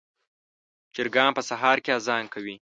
چرګان په سهار کې اذان کوي.